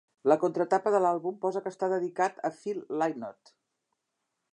La contratapa de l'àlbum posa que està dedicat a Phil Lynott.